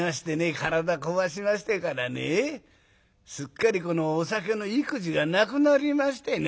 体壊しましてからねすっかりこのお酒の意気地がなくなりましてね。